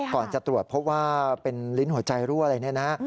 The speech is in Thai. ก่อนจะตรวจพบว่าเป็นลิ้นหัวใจรั่วอะไรเนี่ยนะ